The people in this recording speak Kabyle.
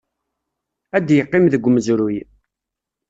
Ad yeqqim deg umezruy.